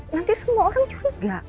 nanti semua orang curiga